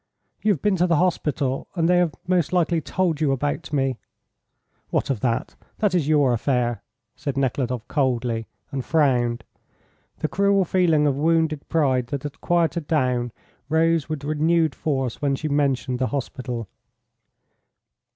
"You have been to the hospital, and they have most likely told you about me " "What of that? That is your affair," said Nekhludoff coldly, and frowned. The cruel feeling of wounded pride that had quieted down rose with renewed force when she mentioned the hospital.